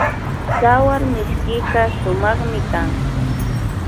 Tsawarmishkika sumakmi kan